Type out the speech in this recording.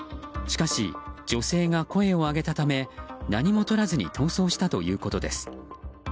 しかし、女性が声を上げたため何もとらずに逃走したということです。